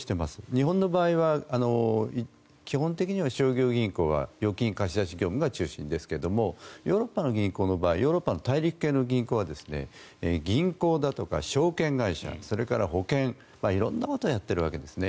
日本の場合は基本的には商業銀行は預金貸出業務が中心ですがヨーロッパの銀行の場合ヨーロッパの大陸系の銀行は銀行だとか証券会社それから保険色んなことをやっているわけなんですね。